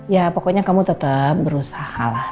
ya pokoknya kamu tetap berusaha lah